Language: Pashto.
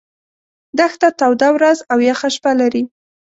دښته توده ورځ او یخه شپه لري.